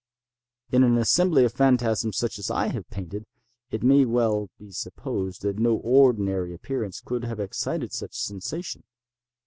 In an assembly of phantasms such as I have painted, it may well be supposed that no ordinary appearance could have excited such sensation.